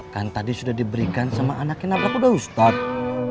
kan tadi sudah diberikan sama anak kenapa udah ustadz